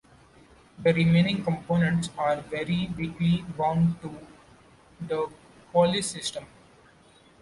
The remaining components are very weakly bound to the Polis system.